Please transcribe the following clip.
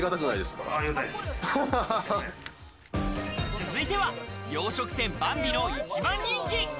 続いては洋食店バンビの一番人気。